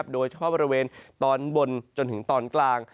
โดยเฉพาะบริเวณตอนบนจนถึงตอนกลาง